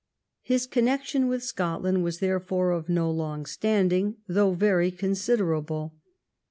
His connection with Scot land was therefore of no long standing, though very considerable.